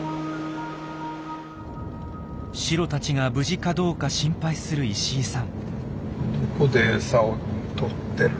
シロたちが無事かどうか心配する石井さん。